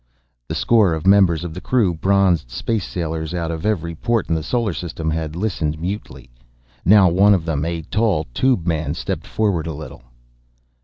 The score of members of the crew, bronzed space sailors out of every port in the solar system, had listened mutely. Now, one of them, a tall tube man, stepped forward a little.